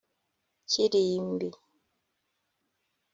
Kirimbi